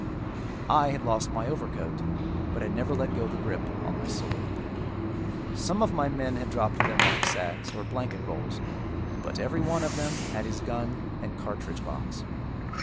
I had lost my overcoat, but had never let go the grip on my sword. Some of my men had dropped their knapsacks or blanket rolls, but every one of them had his gun and cartridge box.